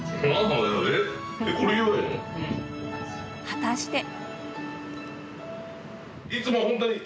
果たして。